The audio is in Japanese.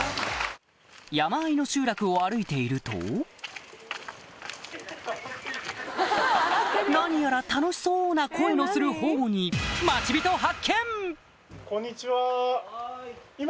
山あいの集落を歩いていると何やら楽しそうな声のするほうにはい。